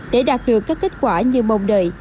để đạt được các kết quả như mong đợi